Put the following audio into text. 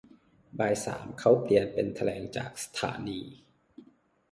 บ่ายสามเขาเปลี่ยนเป็นแถลงจากสถานี